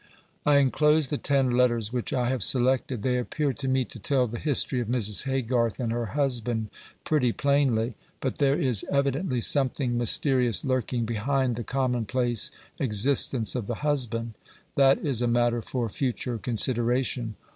I enclose the ten letters which I have selected. They appear to me to tell the history of Mrs. Haygarth and her husband pretty plainly; but there is evidently something mysterious lurking behind the commonplace existence of the husband. That is a matter for future consideration.